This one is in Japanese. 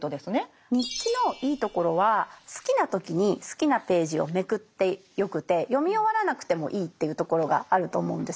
日記のいいところは好きな時に好きなページをめくってよくて読み終わらなくてもいいっていうところがあると思うんですよ。